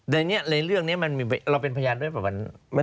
ในเรื่องนี้เราเป็นพยานด้วยหรือเปล่า